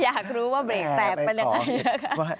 อยากรู้ว่าเบรกแตกเป็นยังไงนะคะ